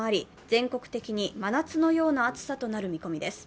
全国的に真夏のような暑さとなる見込みです。